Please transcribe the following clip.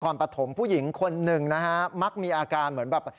ปฐมผู้หญิงคนหนึ่งนะฮะมักมีอาการเหมือนแบบ